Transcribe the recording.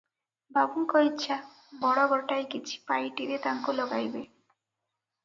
ବାବୁଙ୍କ ଇଚ୍ଛା, ବଡ଼ ଗୋଟାଏ କିଛି ପାଇଟିରେ ତାକୁ ଲଗାଇବେ ।